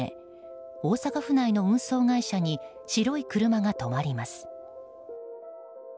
大阪府内の運送会社に白い車が止まります。